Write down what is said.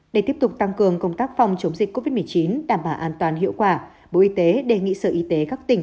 để tiếp tục tăng cường công tác phòng chống dịch covid một mươi chín đảm bảo an toàn hiệu quả bộ y tế đề nghị sở y tế các tỉnh